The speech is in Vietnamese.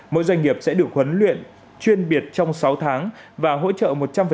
mỗi doanh nghiệp sẽ được huấn luyện chuyên biệt trong sáu tháng và hỗ trợ một trăm linh